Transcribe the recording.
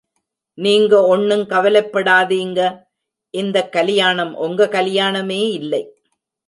நீங்க ஒண்னுங் கவலெப்படாதிங்க, இந்தக் கலியாணம் ஒங்க கலியாணமே இல்லே.